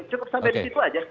cukup sampai di situ aja